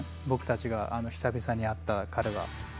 僕たちが久々に会った彼は。